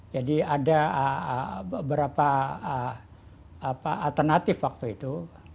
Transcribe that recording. jadi ada beberapa alternatif waktu itu